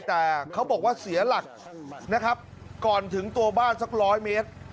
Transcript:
แต่เขาบอกว่าเสียหลักนะครับก่อนถึงตัวบ้านสักร้อยเมตร